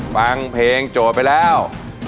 ฟังเพลงโจทย์ไปแล้ว